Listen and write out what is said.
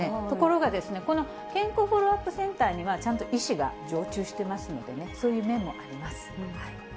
ところが、この健康フォローアップセンターにはちゃんと医師が常駐していますのでね、そういう面もあります。